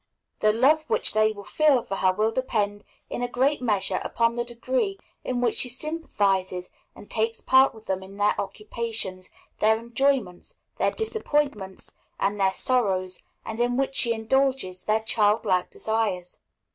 The love which they will feel for her will depend in a great measure upon the degree in which she sympathizes and takes part with them in their occupations, their enjoyments, their disappointments, and their sorrows, and in which she indulges their child like desires.